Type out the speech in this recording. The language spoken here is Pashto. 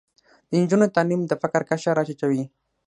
د نجونو تعلیم د فقر کچه راټیټوي.